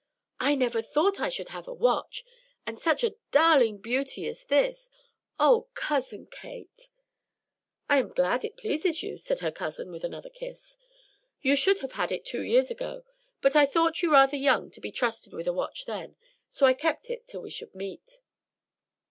"I never thought I should have a watch, and such a darling beauty as this. Oh, Cousin Kate!" "I am glad it pleases you," said her cousin, with another kiss. "You should have had it two years ago; but I thought you rather young to be trusted with a watch then, so I kept it till we should meet."